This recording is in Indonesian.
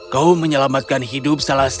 kau menyelamatkan hidup selama seminggu